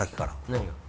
何が？